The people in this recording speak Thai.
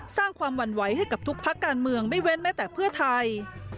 สร้างความหวั่นไหวให้กับทุกพักการเมืองไม่เว้นแม้แต่เพื่อไทย